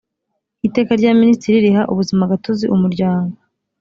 iteka rya minisitiri riha ubuzimagatozi umuryango